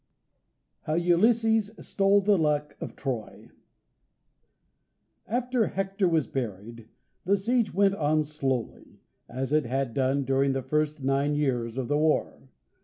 HOW ULYSSES STOLE THE LUCK OF TROY After Hector was buried, the siege went on slowly, as it had done during the first nine years of the war.